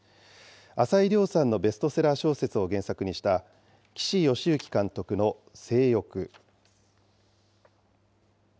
朝井リョウさんのベストセラー小説を原作とした岸善幸監督の正欲。